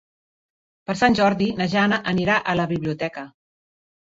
Per Sant Jordi na Jana anirà a la biblioteca.